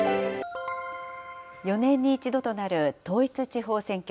４年に一度となる統一地方選挙。